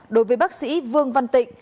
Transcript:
đối với bác sĩ vương văn tịnh